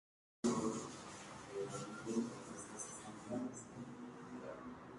El canal tenía como intención ayudar con el aprendizaje de los niños.